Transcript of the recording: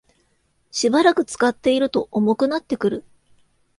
しばらく使っていると重くなってくる